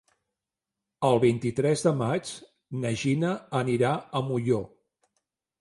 El vint-i-tres de maig na Gina anirà a Molló.